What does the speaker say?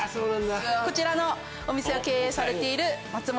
こちらのお店を経営されている。